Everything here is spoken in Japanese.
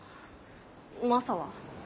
マサは？